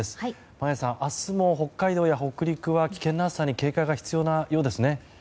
眞家さん、明日も北海道や北陸は危険な暑さに警戒が必要なようですね。